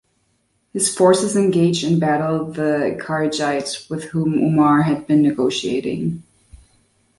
His forces engaged in battle the Kharijites with whom Umar had been negotiating.